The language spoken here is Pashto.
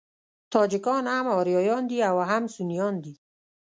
تاجکان هم آریایان دي او هم سنيان دي.